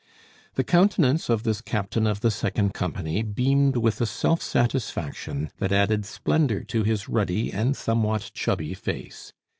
The countenance of this Captain of the Second Company beamed with a self satisfaction that added splendor to his ruddy and somewhat chubby face.